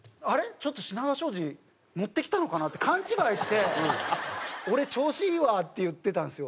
ちょっと品川庄司ノッてきたのかなって勘違いして俺調子いいわって言ってたんですよ。